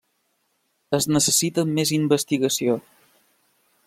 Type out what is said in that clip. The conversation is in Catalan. Es necessita més investigació.